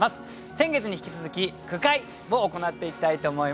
先月に引き続き句会を行っていきたいと思います。